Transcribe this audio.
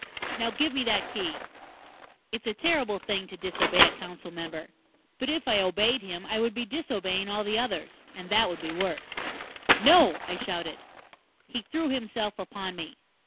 Now, give me that Key!" It's a terrible thing to disobey a council member. But if I obeyed him, I would be disobeying all the others. And that would be worse. "No!" I shouted. He threw himself upon me.